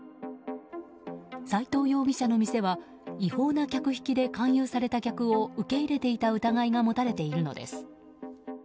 斎藤容疑者の店は違法な客引きで勧誘された客を受け入れていた疑いが持たれているのです。